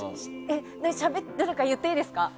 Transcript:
どれか言っていいですか？